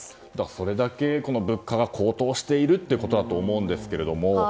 それだけ物価が高騰しているということだと思うんですが。